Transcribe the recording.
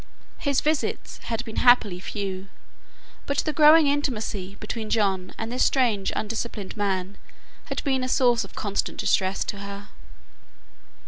His visits had been happily few, but the growing intimacy between John and this strange undisciplined man had been a source of constant distress to her.